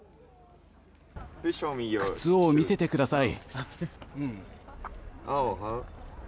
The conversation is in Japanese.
靴を見せてください。